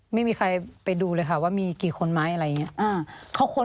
ไม่มีใครไปดูเลยค่ะว่ามีกี่คนมา